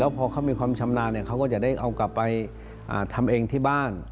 พอเขามีความชำนาญเขาก็จะได้เอากลับไปทำเองที่บ้าน